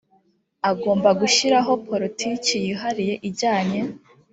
agomba gushyiraho politiki yihariye ijyanye